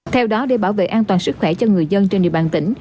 theo đó để bảo vệ an toàn sức khỏe cho người dân trên địa bàn tỉnh